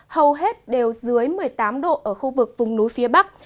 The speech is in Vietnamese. hầu hết đều dưới một mươi tám độ ở khu vực vùng núi phía bắc